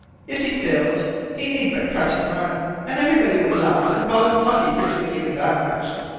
If he failed, he need but cut and run, and everybody would laugh and call him plucky for doing even that much.